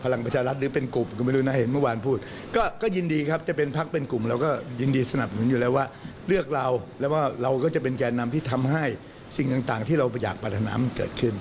แล้วว่าเราก็จะเป็นแก่นำที่ทำให้สิ่งต่างที่เราอยากปรัฐนามเกิดขึ้น